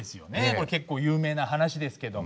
これ結構有名な話ですけども。